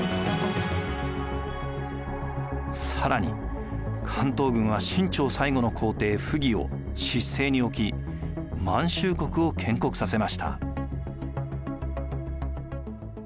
更に関東軍は清朝最後の皇帝溥儀を執政に置き満州国を建国させました。